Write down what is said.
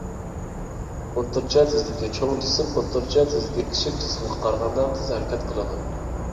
ئوتتۇرىچە تېزلىكى چوڭ جىسىم ئوتتۇرىچە تېزلىكى كىچىك جىسىمغا قارىغاندا تېز ھەرىكەت قىلىدۇ.